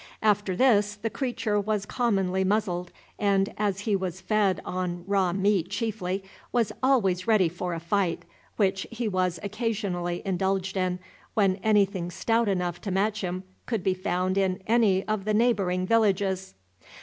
After this the creature was commonly muzzled, and, as he was fed on raw meat chiefly, was always ready for a fight, which he was occasionally indulged in, when anything stout enough to match him could be found in any of the neighboring villages.